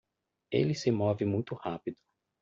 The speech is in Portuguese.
Ele se move muito rápido!